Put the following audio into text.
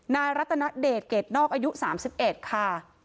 รัตนเดชเกรดนอกอายุ๓๑ค่ะ